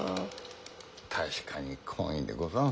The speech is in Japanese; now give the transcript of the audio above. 確かに懇意でござんす。